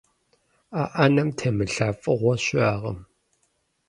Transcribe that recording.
А ӏэнэм темылъа фӀыгъуэ щыӀэкъым.